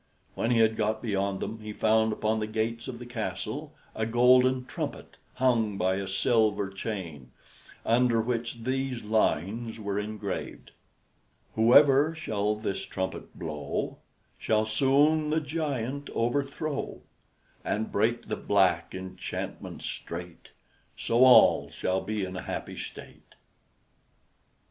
When he had got beyond them, he found upon the gates of the castle a golden trumpet hung by a silver chain, under which these lines were engraved: "Whoever shall this trumpet blow, Shall soon the giant overthrow, And break the black enchantment straight; So all shall be in happy state."